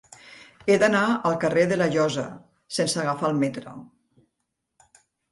He d'anar al carrer de la Llosa sense agafar el metro.